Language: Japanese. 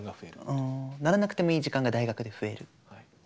うんならなくてもいい時間が大学で増える。